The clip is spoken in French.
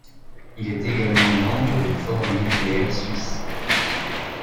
Il est également membre du Forum nucléaire suisse.